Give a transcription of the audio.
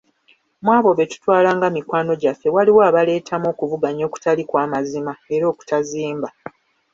Mu abo be tutwalanga mikwano gyaffe waliwo abaleetamu okuvuganya okutali kwa mazima era okutazimba.